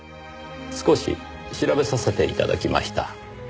少し調べさせて頂きました。